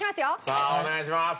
さあお願いします。